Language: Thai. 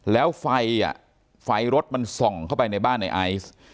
แล้วไฟอ่ะไฟรถมันส่องเข้าไปในบ้านในไอซ์